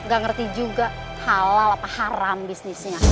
gak ngerti juga halal apa haram bisnisnya